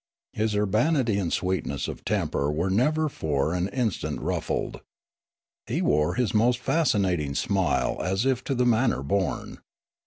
His urbanity and sweetness of temper were never for an instant ruffled. He wore his most fascinating smile as if to the manner born.